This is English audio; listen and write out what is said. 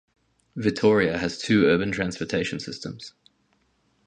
Vitoria has two urban transportation systems.